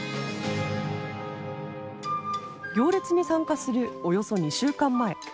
行列に参加するおよそ２週間前。